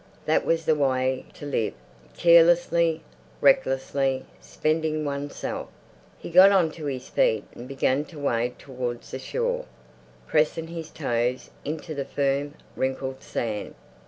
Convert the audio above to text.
That was the way to live—carelessly, recklessly, spending oneself. He got on to his feet and began to wade towards the shore, pressing his toes into the firm, wrinkled sand.